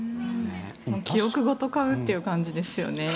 記憶ごと買うっていう感じですよね。